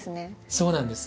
そうなんです。